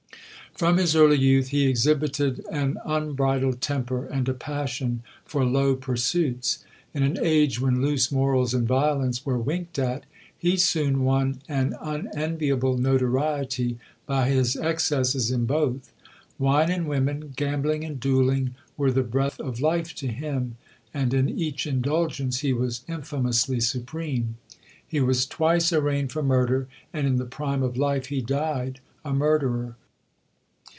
From his early youth he exhibited an unbridled temper and a passion for low pursuits. In an age when loose morals and violence were winked at, he soon won an unenviable notoriety by his excesses in both. Wine and women, gambling and duelling, were the breath of life to him, and in each indulgence he was infamously supreme. He was twice arraigned for murder, and in the prime of life he died a murderer.